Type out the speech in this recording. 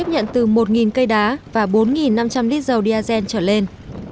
nhận từ một cây đá và bốn năm trăm linh lít dầu diazen trở lên